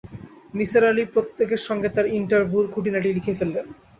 নিসার আলি প্রত্যেকের সঙ্গে তাঁর ইন্টারভূর খুঁটিনাটি লিখে ফেললেন।